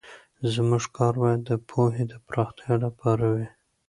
زموږ کار باید د پوهې د پراختیا لپاره وي.